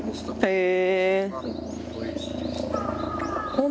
へえ。